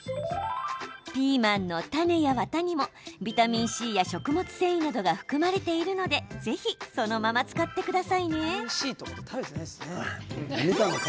ピーマンの種や、わたにもビタミンＣや食物繊維などが含まれているのでぜひそのまま使ってくださいね。